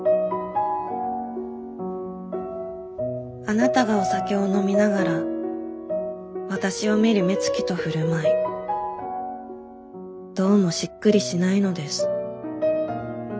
「あなたがお酒を飲みながら私を見る目つきと振る舞いどうもしっくりしないのです」。